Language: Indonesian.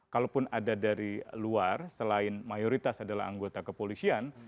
kalaupun ada dari luar selain mayoritas adalah anggota kepolisian